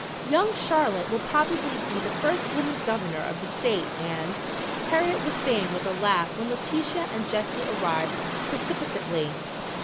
"Young Charlotte will probably be the first woman governor of the state and " Harriet was saying with a laugh when Letitia and Jessie arrived precipitately.